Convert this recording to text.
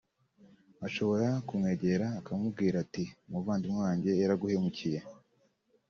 ashobora kumwegera akamubwira ati ‘umuvandimwe wanjye yaraguhemukiye